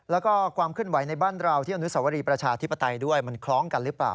แล้วก็ความเคลื่อนไหวในบ้านเราที่อนุสวรีประชาธิปไตยด้วยมันคล้องกันหรือเปล่า